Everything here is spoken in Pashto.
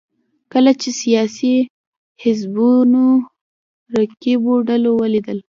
کله چې سیاسي حزبونو رقیبو ډلو ولیدل